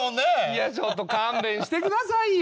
いやちょっと勘弁してくださいよ。